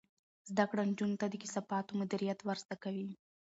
زده کړه نجونو ته د کثافاتو مدیریت ور زده کوي.